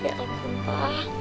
ya ampun pa